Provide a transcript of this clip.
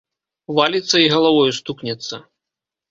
Валіцца і галавою стукнецца.